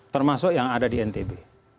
termasuk yang ada di ntb